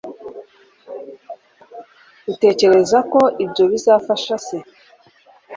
utekereza ko ibyo bizafasha se